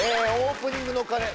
オープニングの鐘